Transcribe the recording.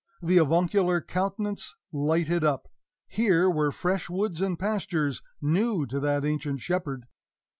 The avuncular countenance lighted up; here were fresh woods and pastures new to that ancient shepherd.